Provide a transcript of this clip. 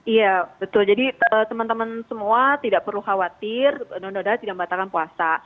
iya betul jadi teman teman semua tidak perlu khawatir undang undang tidak membatalkan puasa